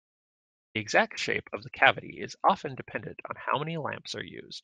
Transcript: The exact shape of the cavity is often dependent on how many lamps are used.